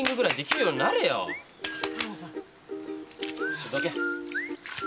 ちょっとどけ。